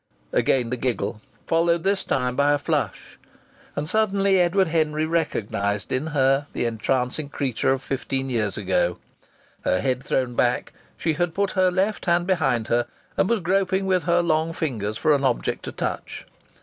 Again the giggle, followed this time by a flush! And suddenly Edward Henry recognized in her the entrancing creature of fifteen years ago! Her head thrown back, she had put her left hand behind her and was groping with her long fingers for an object to touch.